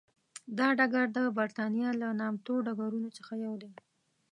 دا ډګر د برېتانیا له نامتو ډګرونو څخه یو دی.